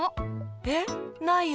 えっ？ないよ。